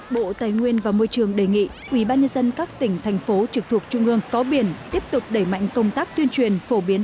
bộ tài nguyên và môi trường đề nghị ubnd các tỉnh thành phố trực thuộc trung ương có biển tiếp tục đẩy mạnh công tác tuyên truyền phổ biến